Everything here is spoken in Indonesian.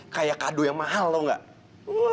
kayak kado yang mahal tau gak